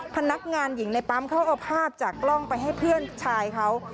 พนักงานหญิงในปั๊มเขาเอาภาพจากกล้องไปให้เพื่อนชายเขา